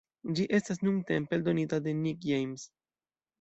Ĝi estas nuntempe eldonita de Nick James.